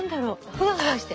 フワフワして。